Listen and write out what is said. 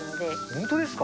本当ですか。